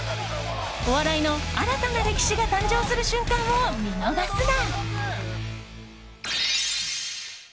お笑いの新たな歴史が誕生する瞬間を見逃すな。